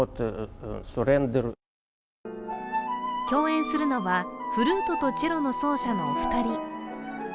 共演するのはフルートとチェロの奏者のお二人。